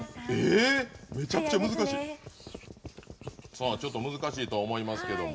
さあちょっと難しいとは思いますけども。